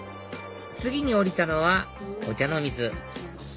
次に降りたのは御茶ノ水